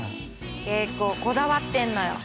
結構こだわってんのよ。